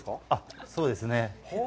そうですね。